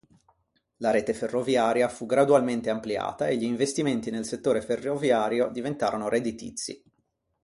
La rete ferroviaria fu gradualmente ampliata e gli investimenti nel settore ferroviario diventarono redditizi.